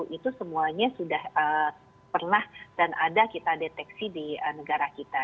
itu semuanya sudah pernah dan ada kita deteksi di negara kita